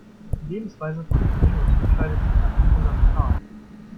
Die Lebensweise von Flamingos unterscheidet sich davon fundamental.